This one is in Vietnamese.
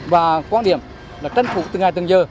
và quan điểm là tránh phục từ ngày tới giờ